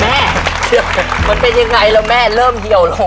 มันเป็นยังไงแล้วแม่เริ่มเหี่ยวลง